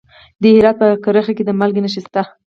د هرات په کرخ کې د مالګې نښې شته.